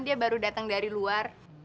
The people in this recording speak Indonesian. dia baru datang dari luar